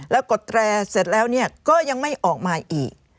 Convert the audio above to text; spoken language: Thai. แล้วกดแตรเสร็จแล้วก็ยังไม่ออกมาอีก